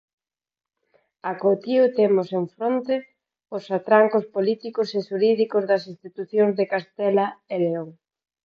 Acotío temos enfronte os atrancos políticos e xurídicos das institucións de Castela e León.